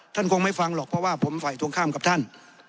ท่านคงไม่ฟังหรอกเพราะว่าผมฝ่ายตรงข้ามกับท่าน